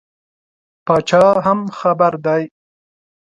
پاچا هم خبر دی.